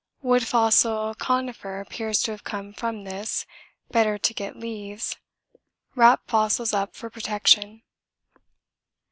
Wood fossil conifer appears to have come from this better to get leaves wrap fossils up for protection.